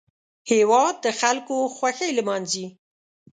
هېواد د خلکو خوښۍ لمانځي